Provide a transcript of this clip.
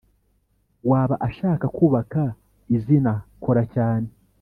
waba ashaka kubaka izina kora cyane